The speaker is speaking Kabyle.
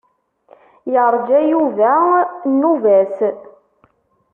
Yeṛǧa Yuba nnuba-s.